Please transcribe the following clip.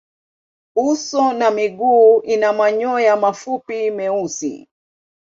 Uso na miguu ina manyoya mafupi meusi.